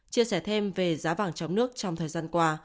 chia sẻ thêm về giá vàng trong nước trong thời gian qua